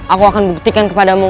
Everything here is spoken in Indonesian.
aku akan buktikan kepadamu